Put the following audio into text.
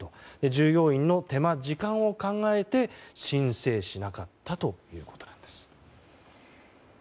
従業員の手間・時間を考えて申請しなかったということです。